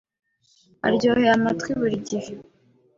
aryoheye amatwi buri gihe